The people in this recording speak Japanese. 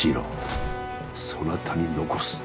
そなたに残す。